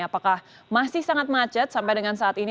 apakah masih sangat macet sampai dengan saat ini